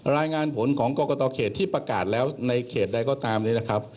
รายงานผลของกรกตเขตที่ประกาศแล้วในเขตใดก็ตามนี้นะครับ